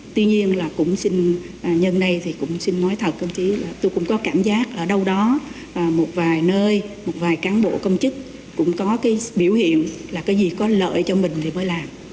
tuy nhiên là cũng xin nhân này thì cũng xin nói thật tôi cũng có cảm giác ở đâu đó một vài nơi một vài cán bộ công chức cũng có cái biểu hiện là cái gì có lợi cho mình thì mới làm